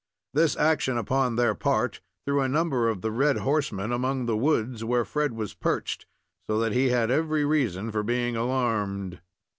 This action upon their part threw a number of the red horsemen among the woods, where Fred was perched, so that he had every reason for being alarmed.